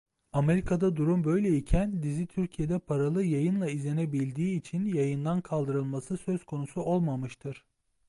Amerika'da durum böyle iken dizi Türkiye'de paralı yayınla izlenebildiği için yayından kaldırılması söz konusu olmamıştır.